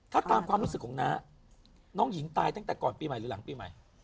ถ้าตามความรู้สึกของน้าน้องหญิงตายตั้งแต่ก่อนปีใหม่หรือหลังปีใหม่